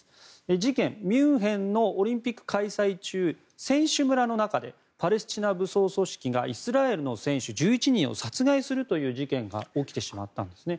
事件、ミュンヘンのオリンピック開催中、選手村でパレスチナ武装組織がイスラエルの選手１１人を殺害するという事件が起きてしまったんです。